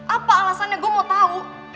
apa alasannya gue mau tahu